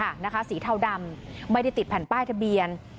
เหมือนจะมีการแบบสีเทาดำไม่ได้ติดแผ่นป้ายทะเบียน